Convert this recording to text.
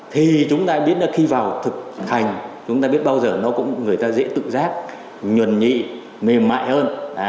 thì chúng ta biết là khi vào thực hành chúng ta biết bao giờ nó cũng người ta dễ tự giác nhuẩn nhị mềm mại hơn